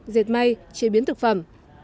diệt may chế biến thực phẩm